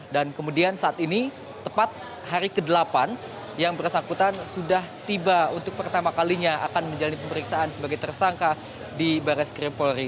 dan kemudian saat ini tepat hari ke delapan yang bersangkutan sudah tiba untuk pertama kalinya akan menjalani pemeriksaan sebagai tersangka di baris krim polri